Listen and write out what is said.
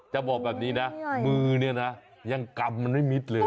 บอกแบบนี้นะมือเนี่ยนะยังกำมันไม่มิดเลย